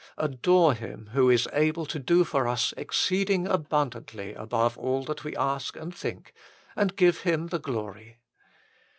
Adore Him who is able to do for us exceeding abundantly above all that we ask and think, and give Him the glory.